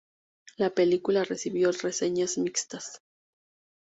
La película recibió reseñas mixtas.